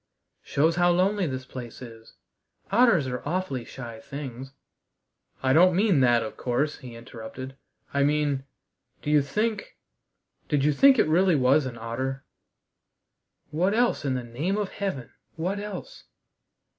"Shows how lonely this place is. Otters are awfully shy things " "I don't mean that, of course," he interrupted. "I mean do you think did you think it really was an otter?" "What else, in the name of Heaven, what else?"